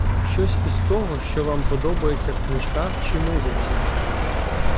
Щось із того, що вам подобається в книжках чи музиці